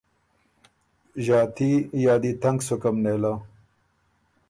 ݫاتي یا دی تنګ سُکم نېله۔